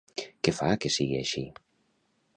Què fa que sigui així?